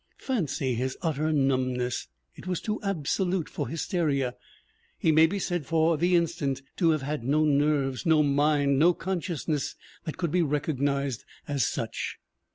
Fancy his utter numbness! It was too absolute for hysteria; he may be said for the instant to have had no nerves, no mind, no consciousness that could be recognized as such.